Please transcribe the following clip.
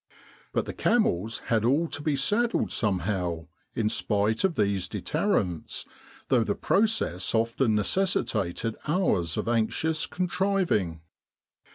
But the camels had all to be saddled somehow in spite of these deterrents, though the process often necessitated hours of anxious contriving.